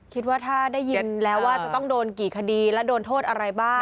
คิดว่าถ้าได้ยินแล้วว่าจะต้องโดนกี่คดีและโดนโทษอะไรบ้าง